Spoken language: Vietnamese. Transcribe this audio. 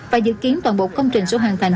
và dự kiến toàn bộ công trình sẽ hoàn thành